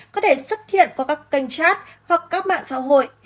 có thể xuất hiện qua các kênh chat hoặc các mạng xã hội